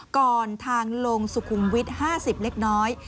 ก่อนทางลงสุขุมวิทย์๕๐เล็กน้อย